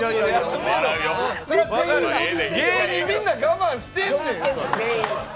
芸人みんな我慢してんねん、それ！